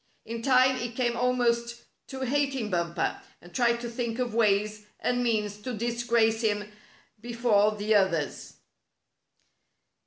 In time he came almost to hating Bumper, and tried to think of ways and means to disgrace him before the others.